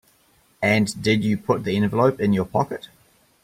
And did you put the envelope in your pocket?